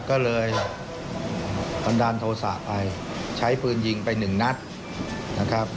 ก็เลยบันดาลโทษะไปใช้ปืนยิงไปหนึ่งนัดนะครับ